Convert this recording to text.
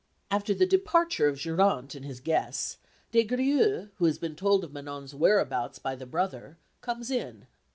After the departure of Geronte and his guests, Des Grieux, who has been told of Manon's whereabouts by the brother, comes in.